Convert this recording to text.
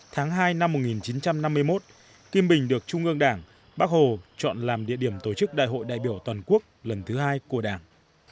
tháng hai năm một nghìn chín trăm năm mươi một kim bình được trung ương đảng bác hồ chọn làm địa điểm tổ chức đại hội đại biểu toàn quốc lần thứ hai của đảng